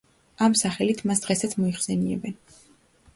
ამ სახელით მას დღესაც მოიხსენიებენ.